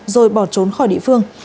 rồi bỏ trốn khỏi địa phương